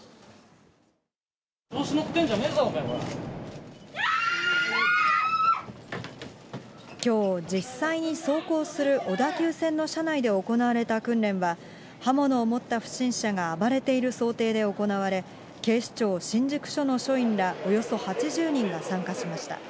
調子乗ってんじゃねえぞ、きょう、実際に走行する小田急線の車内で行われた訓練は、刃物を持った不審者が暴れている想定で行われ、警視庁新宿署の署員らおよそ８０人が参加しました。